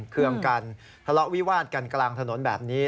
เครื่องกันทะเลาะวิวาดกันกลางถนนแบบนี้